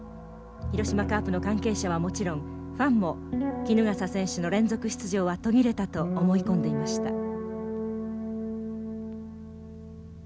広島カープの関係者はもちろんファンも衣笠選手の連続出場は途切れたと思い込んでいました。